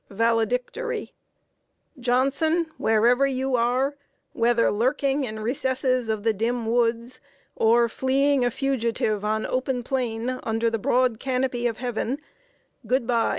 "VALEDICTORY. "Johnson, wherever you are whether lurking in recesses of the dim woods, or fleeing a fugitive on open plain, under the broad canopy of Heaven good by!